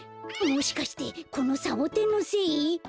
もしかしてこのサボテンのせい？